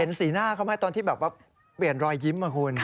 เห็นสีหน้าเขาไหมตอนที่แบบเปลี่ยนรอยยิ้ม